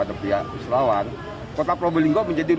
ada itu saja yaik saraswati